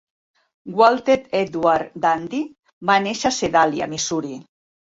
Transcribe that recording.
Walter Edward Dandy va néixer a Sedàlia, Missouri.